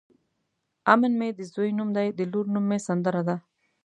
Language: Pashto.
امن مې د ځوی نوم دی د لور نوم مې سندره ده.